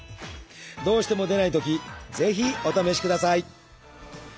どうしても出ないときぜひお試しください。